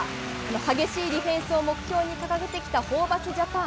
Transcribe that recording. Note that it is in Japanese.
激しいディフェンスを目標に掲げてきたホーバスジャパン。